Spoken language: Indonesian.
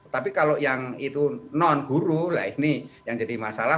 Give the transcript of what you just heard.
tapi kalau yang itu non guru lah ini yang jadi masalah